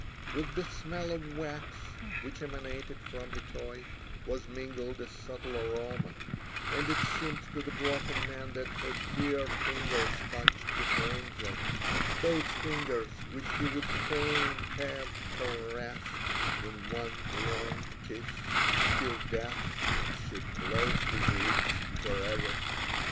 With the smell of wax, which emanated from the toy, was mingled a subtle aroma, and it seemed to the broken man that her dear fingers touched the angel, those fingers which he would fain have caressed in one long kiss, till death should close his lips forever.